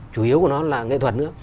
chủ yếu của nó là nghệ thuật nữa